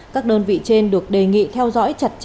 các đơn vị trên được đề nghị theo dõi chặt chẽ